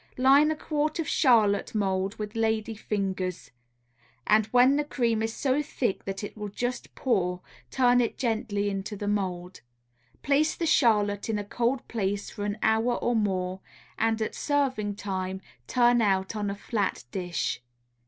Line a quart charlotte mould with lady fingers, and when the cream is so thick that it will just pour, turn it gently into the mould. Place the charlotte in a cold place for an hour or more, and at serving time turn out on a flat dish.